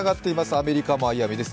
アメリカ・マイアミです。